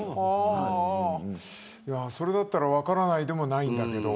それだったら分からないでもないんだけど。